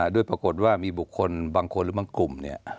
ด้วยปรากฏว่ามีบุคคลบางคนหรือบางกลุ่มเนี่ย